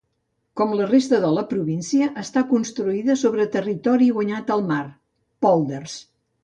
Com la resta de la província, està construïda sobre territori guanyat al mar: pòlders.